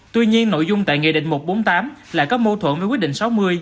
tuy nhiên nội dung tại nghị định một trăm bốn mươi tám lại có mâu thuẫn với quyết định sáu mươi